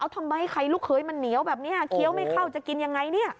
ทำไมไข่ลูกเขยมันเหนียวแบบนี้เคี้ยวไม่เข้าจะกินยังไงเนี่ย